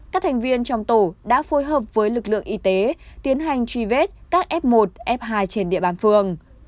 các thành viên trong tổ đã phối hợp với lực lượng y tế tiến hành truy vết các f một f hai trên địa bàn phường